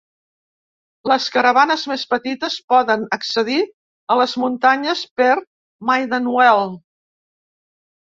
Les caravanes més petites poden accedir a les muntanyes per Maidenwell.